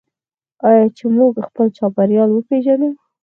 آیا چې موږ خپل چاپیریال وپیژنو؟